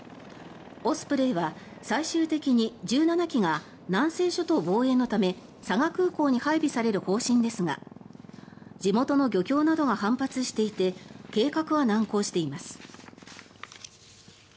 オスプレイは最終的に１７機が南西諸島防衛のため佐賀空港に配備される方針ですが地元の漁協などが反発していて計画は難航しています。